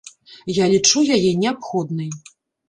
Я лічу яе неабходнай.